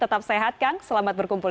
tetap sehat kang selamat berkumpul